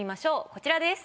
こちらです。